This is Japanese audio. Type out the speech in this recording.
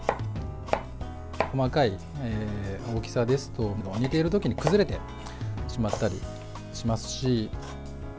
細かい大きさですと煮ているときに崩れてしまったりしますし。